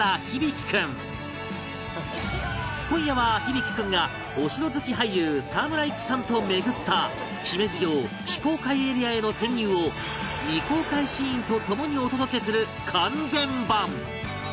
今夜は響大君がお城好き俳優沢村一樹さんと巡った姫路城非公開エリアへの潜入を未公開シーンとともにお届けする完全版